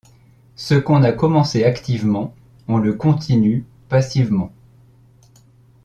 Ce qu’on a commencé activement, on le continue passivement.